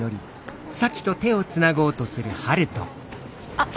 あっ。